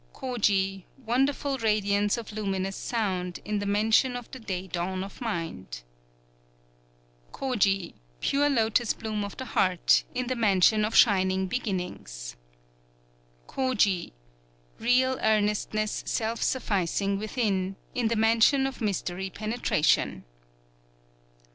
_ Koji, Wonderful Radiance of Luminous Sound, in the Mansion of the Day dawn of Mind. Koji, Pure Lotos bloom of the Heart, in the Mansion of Shining Beginnings. _Koji, Real Earnestness Self sufficing within, in the Mansion of Mystery Penetration.